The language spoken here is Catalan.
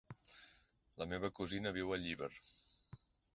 La meva cosina viu a Llíber.